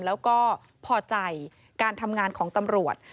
แล้วก็พอใจการทำงานของตำรวจ